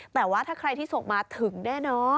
แต่ว่าถ้าใครที่ส่งมาถึงแน่นอน